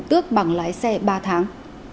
tước bằng lái xe ba tháng